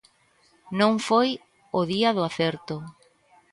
Non foi o día do acerto.